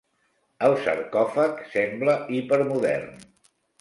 El sarcòfag sembla hipermodern.